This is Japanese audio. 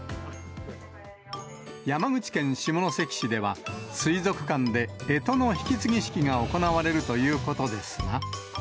山口県下関市では、水族館でえとの引き継ぎ式が行われるということですが。